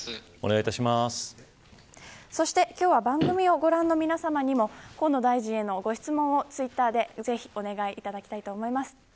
そして、今日は番組をご覧の皆さまにも河野大臣へのご質問をツイッターでぜひお願いいただきたいと思います。